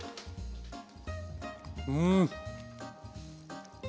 うん。